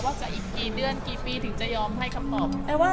จะอีกกี่เดือนกี่ปีถึงจะยอมให้คำตอบ